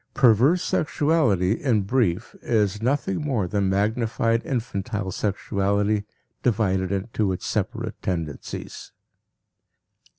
Perverse sexuality, in brief, is nothing more than magnified infantile sexuality divided into its separate tendencies.